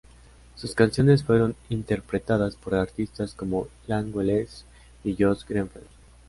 Sus canciones fueron interpretadas por artistas como Ian Wallace y Joyce Grenfell.